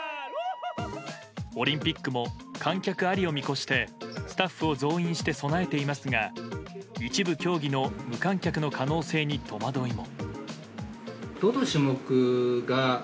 オリンピックも観客ありを見越してスタッフを増員して備えていますが一部競技の無観客の可能性に戸惑いも。